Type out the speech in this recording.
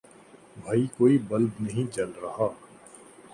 بھائی کوئی بلب نہیں جل رہا